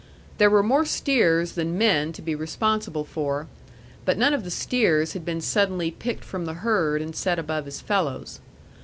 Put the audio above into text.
There were more steers than men to be responsible for; but none of the steers had been suddenly picked from the herd and set above his fellows.